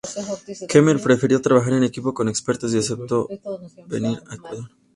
Kemmerer prefería trabajar en equipo con expertos y aceptó venir a Ecuador.